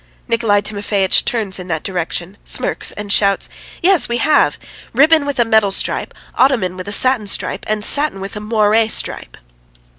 Nikolay Timofeitch turns in that direction, smirks and shouts: "Yes, we have! Ribbon with a metal stripe, ottoman with a satin stripe, and satin with a moiré stripe!"